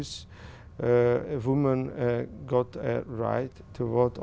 cho người việt